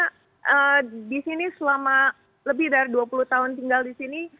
karena di sini selama lebih dari dua puluh tahun tinggal di sini